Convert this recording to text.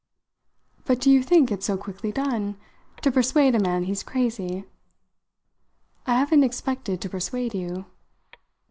"But do you think it's so quickly done to persuade a man he's crazy?" "I haven't expected to persuade you."